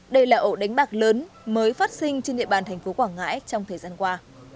đây là ổ đánh bạc lớn mới phát sinh trên địa bàn tp quảng ngãi trong thời gian qua